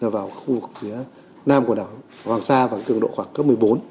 vào khu phía nam quần đảo hoàng sa và cường độ khoảng cấp một mươi bốn